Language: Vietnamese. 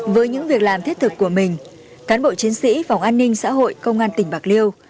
với những việc làm thiết thực của mình cán bộ chiến sĩ phòng an ninh xã hội công an tỉnh bạc liêu